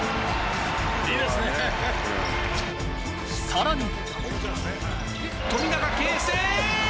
さらに。